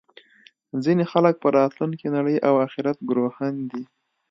ځینې خلک په راتلونکې نړۍ او اخرت ګروهن دي